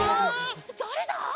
だれだ！？